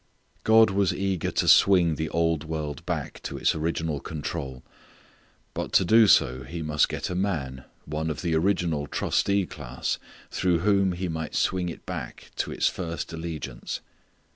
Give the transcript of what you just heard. God was eager to swing the old world back to its original control. But to do so He must get a man, one of the original trustee class through whom He might swing it back to its first allegiance.